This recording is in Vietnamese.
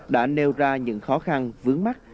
đã nêu ra những khó khăn vướng mắt